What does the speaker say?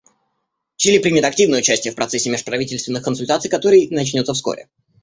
Чили примет активное участие в процессе межправительственных консультаций, который начнется вскоре.